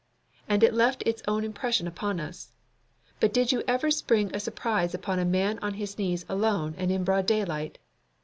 And it left its own impression upon us. But did you ever spring a surprise upon a man on his knees alone and in broad daylight?